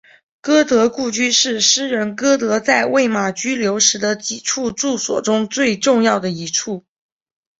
歌德故居是诗人歌德在魏玛居留时的几处住所中最重要的一处。